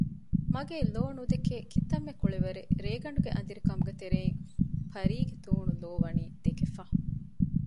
މަގޭ ލޯ ނުދެކޭ ކިތަންމެ ކުޅިވަރެއް ރޭގަނޑުގެ އަނދިރިކަމުގެ ތެރެއިން ޕަރީގެ ތޫނު ލޯ ވަނީ ދެކެފަ